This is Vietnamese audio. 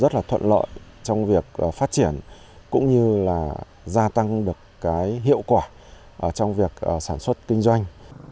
rất là thuận lợi trong việc phát triển cũng như là gia tăng được cái hiệu quả trong việc sản xuất kinh doanh